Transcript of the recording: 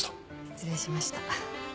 失礼しました。